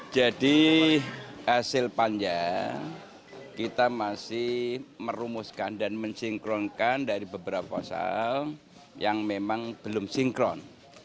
jadi hasil panjem kita masih merumuskan dan mensinkronkan dari beberapa soal yang memang belum sinkron